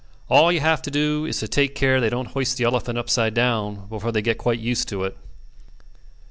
"All you have to do is to take care they don't hoist the elephant upside down before they get quite used to it."